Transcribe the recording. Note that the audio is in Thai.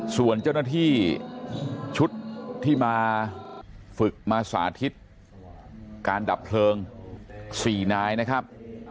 ส่วนเจ้าหน้าที่ชุดที่มาฝึกมาสาธิตการดับเพลิง๔นายนะครับ